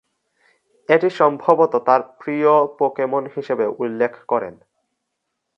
এটি সম্ভবত তার "প্রিয়" পোকেমন হিসেবেও উল্লেখ করেন।